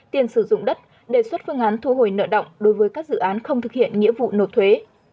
tiền sử dụng đất đề xuất phương án thu hồi nợ động đối với các dự án không thực hiện nghĩa vụ nộp thuế